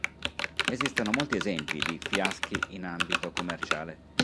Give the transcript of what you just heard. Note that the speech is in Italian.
Esistono molti esempi di "fiaschi" in ambito commerciale.